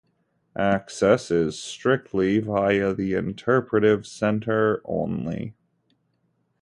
Access is strictly via the interpretive centre only.